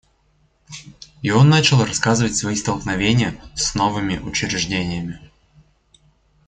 И он начал рассказывать свои столкновения с новыми учреждениями.